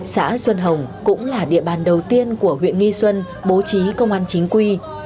xã xuân hồng cũng là địa bàn đầu tiên của huyện nghi xuân bố trí công an chính quy